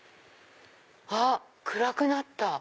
あっ暗くなった。